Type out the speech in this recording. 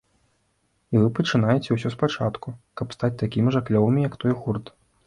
І вы пачынаеце ўсё спачатку, каб стаць такімі жа клёвымі, як той гурт.